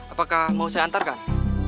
apakah mau saya antarkan